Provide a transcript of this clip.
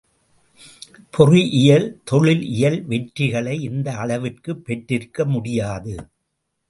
பொறி இயல், தொழில் இயல் வெற்றிகளை இந்த அளவிற்குப் பெற்றிருக்க முடியாது.